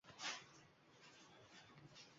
Shoir!